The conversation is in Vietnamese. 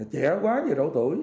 trẻ quá về độ tuổi